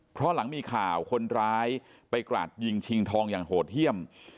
เพราะหลังมีข่าวคนร้ายไปกราดยิงชิงทองอย่างโหดเยี่ยม